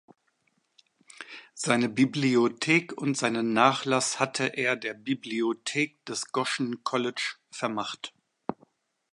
Seine Bibliothek und seinen Nachlass hatte er der Bibliothek des Goshen College vermacht.